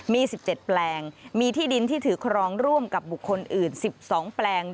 มี๑๗แปลงมีที่ดินที่ถือครองร่วมกับบุคคลอื่น๑๒แปลง